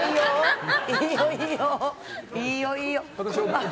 いいよ、いいよ！